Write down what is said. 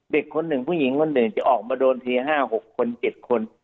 เด็กคนหนึ่งผู้หญิงคนหนึ่งจะออกมาโดนที๕๖คน๗คน